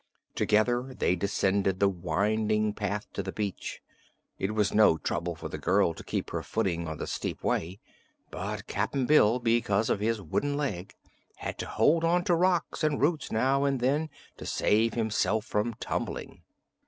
Together they descended the winding path to the beach. It was no trouble for the girl to keep her footing on the steep way, but Cap'n Bill, because of his wooden leg, had to hold on to rocks and roots now and then to save himself from tumbling.